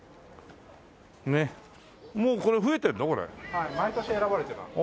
はい毎年選ばれてます。